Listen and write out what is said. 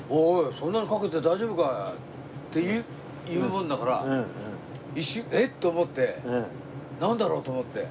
そんなにかけて大丈夫か」って言うもんだから一瞬えっ！と思ってなんだろう？と思って。